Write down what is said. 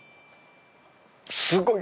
すごい。